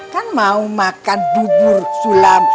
kan mau makan bubur sulam